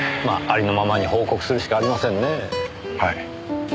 まあありのままに報告するしかありませんねえ。